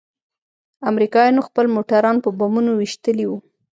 امريکايانوخپل موټران په بمونو ويشتلي وو.